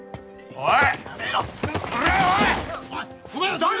おい！